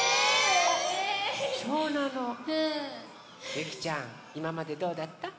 ゆきちゃんいままでどうだった？